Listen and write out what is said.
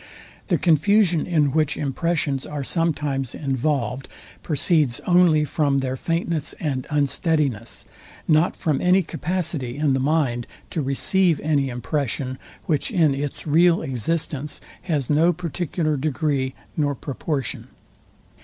The confusion, in which impressions are sometimes involved, proceeds only from their faintness and unsteadiness, not from any capacity in the mind to receive any impression, which in its real existence has no particular degree nor proportion.